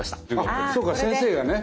あそうか先生がね。